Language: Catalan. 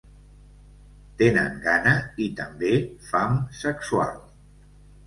Tenen gana i, també, fam sexual.